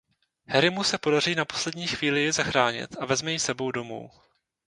Harrymu se podaří na poslední chvíli ji zachránit a vezme ji s sebou domů.